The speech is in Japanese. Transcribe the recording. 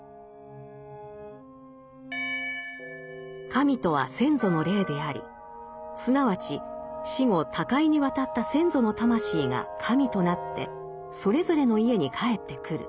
神とは先祖の霊でありすなわち死後他界に渡った先祖の魂が神となってそれぞれの家に帰ってくる。